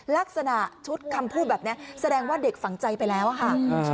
ลักษณะชุดคำพูดแบบนี้แสดงว่าเด็กฝังใจไปแล้วอะค่ะ